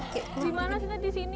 bagaimana kita di sini